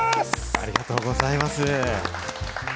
ありがとうございます。